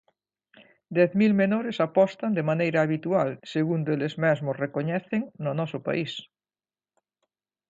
Dez mil menores apostan de maneira habitual, segundo eles mesmos recoñecen, no noso país.